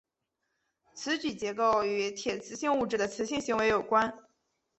磁矩结构与铁磁性物质的磁性行为有关。